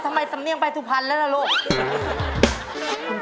ทำไมสำเนียงไปสุพรรณแล้วล่ะลูก